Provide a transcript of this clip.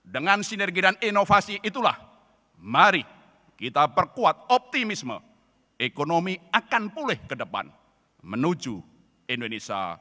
dengan sinergi dan inovasi itulah mari kita perkuat optimisme ekonomi akan pulih ke depan menuju indonesia